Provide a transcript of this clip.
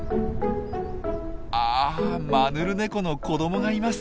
あマヌルネコの子どもがいます。